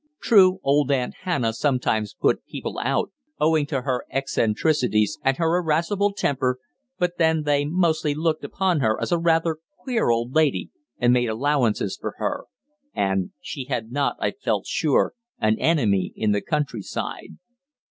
True, old Aunt Hannah sometimes put people out owing to her eccentricities and her irascible temper, but then they mostly looked upon her as a rather queer old lady, and made allowances for her, and she had not, I felt sure, an enemy in the country side.